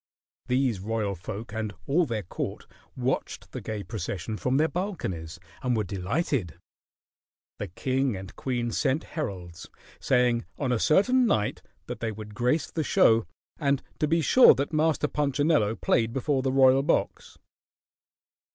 These royal folk and all their court watched the gay procession from their balconies and were delighted. The king and queen sent heralds, saying on a certain night that they would grace the show and to be sure that Master Punchinello played before the royal box.